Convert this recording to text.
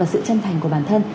và sự chân thành của bản thân